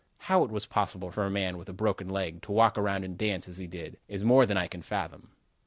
"How it was possible for a man, with a broken leg, to walk around and dance, as he did, is more than I can fathom."